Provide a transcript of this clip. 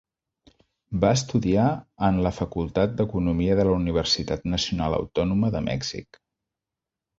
Va estudiar en la Facultat d'Economia de la Universitat Nacional Autònoma de Mèxic.